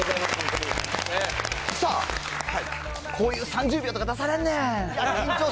さあ、こういう３０秒とか出されんねん。